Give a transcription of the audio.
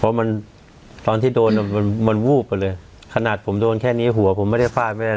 เพราะมันตอนที่โดนมันมันวูบไปเลยขนาดผมโดนแค่นี้หัวผมไม่ได้ฟาดไม่ได้